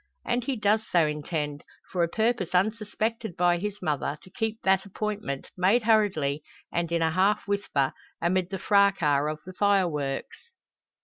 And he does so intend, for a purpose unsuspected by his mother, to keep that appointment, made hurriedly, and in a half whisper, amid the fracas of the fireworks.